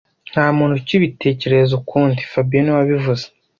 Nta muntu ukibitekereza ukundi fabien niwe wabivuze